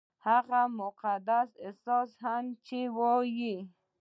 هغه مقدس احساس هم چې وايي-